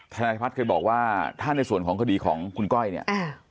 ทนายพัฒน์เคยบอกว่าถ้าในส่วนของคดีของคุณก้อย